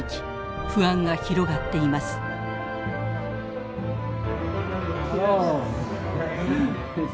不安が広がっています。